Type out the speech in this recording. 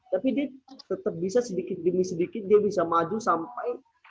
tapi dia tetap bisa sedikit demi sedikit dia bisa maju sampai